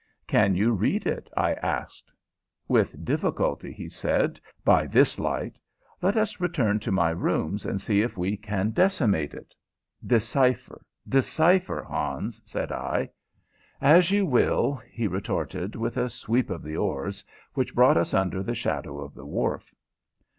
"Can you read it?" I asked. "With difficulty," he said, "by this light. Let us return to my rooms and see if we can decimate it." "Decipher, decipher, Hans," said I. "As you will," he retorted, with a sweep of the oars which brought us under the shadow of the wharf.